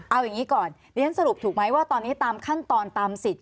เอาอย่างนี้ก่อนเรียนสรุปถูกไหมว่าตอนนี้ตามขั้นตอนตามสิทธิ